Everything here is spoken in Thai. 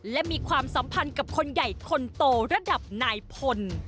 และมีความสัมพันธ์กับคนใหญ่คนโตระดับนายพล